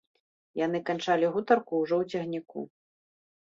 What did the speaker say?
Яны канчалі гутарку ўжо ў цягніку.